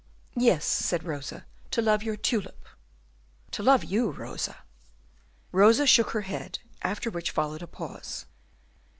"Yes," said Rosa, "to love your tulip." "To love you, Rosa." Rosa shook her head, after which followed a pause.